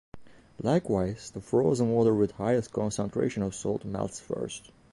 Likewise, the frozen water with the highest concentration of salt melts first.